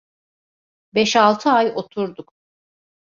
Beş altı ay oturduk.